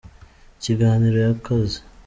Ikiganiro y’akazi